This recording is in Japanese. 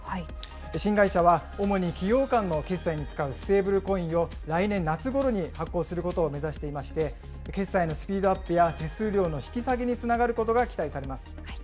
新会社は、主に企業間の決済に使うステーブルコインを、来年夏ごろに発行することを目指していまして、決済のスピードアップや、手数料の引き下げにつながることが期待されます。